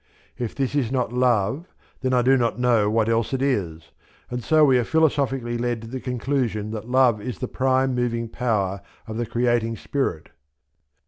If this is not Love, then I do not know what else it is; and so we are philosophically led to the conclusion that Love is the prime moving power of the Creating Spirit.